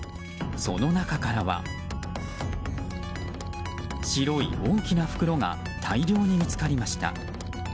その中からは白い大きな袋が大量に見つかりました。